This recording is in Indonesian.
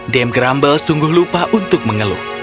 dame grumble sungguh lupa untuk mengeluh